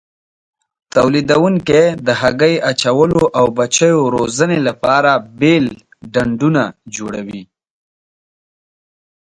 تولیدوونکي د هګۍ اچولو او بچیو روزنې لپاره بېل ډنډونه جوړوي.